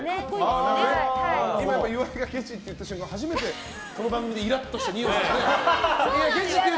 でも岩井がケチって言った瞬間初めて、この番組でイラッとした二葉さんね。